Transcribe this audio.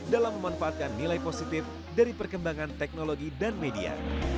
dalam memanfaatkan nilai positif dari perkembangan teknologi dan media